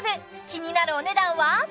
気になるお値段は？